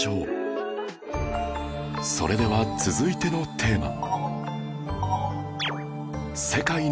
それでは続いてのテーマ